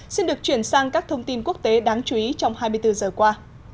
xin được chuyển sang các thông tin quốc tế đáng chú ý trong hai mươi bốn giờ qua